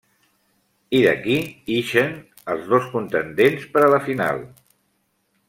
I d'aquí ixen els dos contendents per a la final.